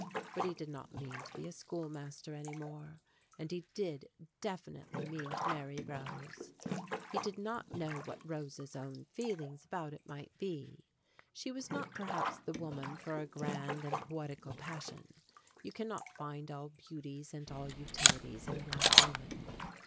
But he did not mean to be a schoolmaster any more, and he did definitely mean to marry Rose. He did not know what Rose's own feelings about it might be. She was not perhaps the woman for a grand and poetical passion you cannot find all beauties and all utilities in one woman.